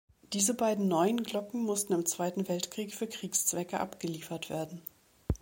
Diese beiden neuen Glocken mussten im Zweiten Weltkrieg für Kriegszwecke abgeliefert werden.